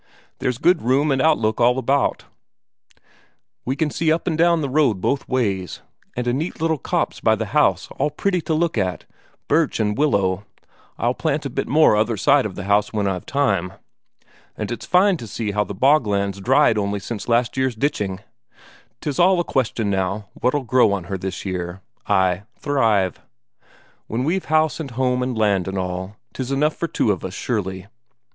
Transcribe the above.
There's good room and outlook all about; we can see up and down the road both ways. And a neat little copse by the house all pretty to look at, birch and willow I'll plant a bit more other side of the house when I've time. And it's fine to see how the bogland's dried only since last year's ditching 'tis all a question now what'll grow on her this year. Ay, thrive? When we've house and home and land and all 'tis enough for the two of us surely."